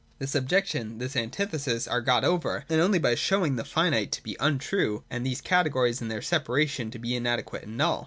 This objection and this antithesis are got over, only by showing the finite to be untrue and these categories in their separation to be inadequate and null.